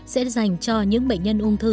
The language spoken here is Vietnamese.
sẽ dành cho những bệnh nhân ung thư